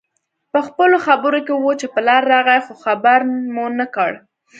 پخپلو خبرو کې وو چې پلار راغی خو خبر مو نه کړ